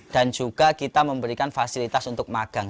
dan juga kita memberikan fasilitas untuk magang